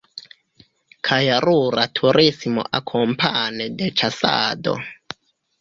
Kaj rura turismo akompane de ĉasado.